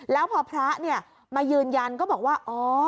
แล้วพอพระมายืนยันก็บอกว่าอ๋อ